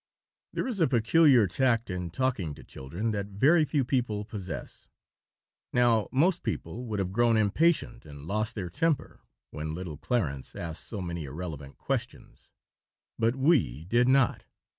There is a peculiar tact in talking to children that very few people possess. Now, most people would have grown impatient and lost their temper, when little Clarence asked so many irrelevant questions, but we did not.